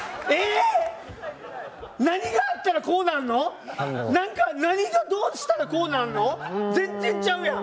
何があったらこうなんの！？何がどうしたらこうなんの！？全然ちゃうやん！